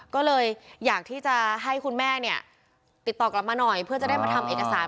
ก็เลยอยากที่จะให้คุณแม่เนี่ยติดต่อกลับมาหน่อยเพื่อจะได้มาทำเอกสาร